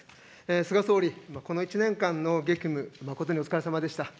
菅総理、この１年間の激務、誠にお疲れさまでした。